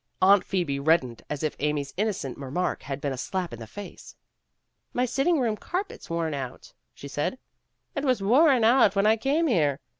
Aunt Phoebe reddened as if Amy's innocent remark had been a slap in the face. "My sitting room carpet's worn out," she said. "It was worn out when I came here.